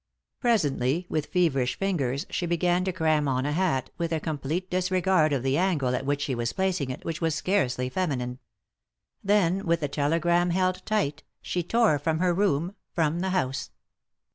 Presently, 284 3i 9 iii^d by Google THE INTERRUPTED KISS with feverish fingers, she began to cram on a hat, with a complete disregard of the angle at which she was placing it which was scarcely feminine. Then, with the telegram held tight, she tore from her room, from the house.